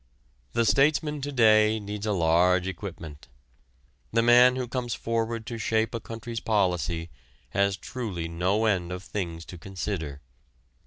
The statesman to day needs a large equipment. The man who comes forward to shape a country's policy has truly no end of things to consider.